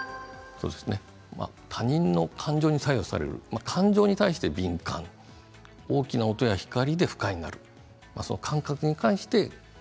他人の感情に左右される環境に対して敏感大きな音や光で不快になる。